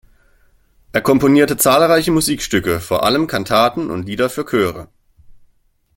Er komponierte zahlreiche Musikstücke, vor allem Kantaten und Lieder für Chöre.